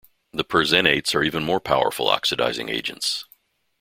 The perxenates are even more powerful oxidizing agents.